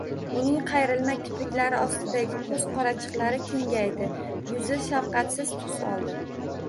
Uning qayrilma kipriklari ostidagi ko`z qorachiqlari kengaydi, yuzi shafqatsiz tus oldi